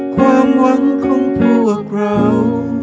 ความหวังของพวกเรา